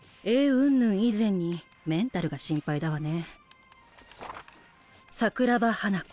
うんぬん以前にメンタルが心配だわね。